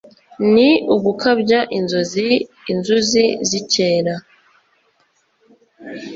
Ni ugukabya inzozi inzuzi zikera